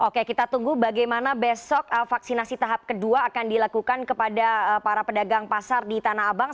oke kita tunggu bagaimana besok vaksinasi tahap kedua akan dilakukan kepada para pedagang pasar di tanah abang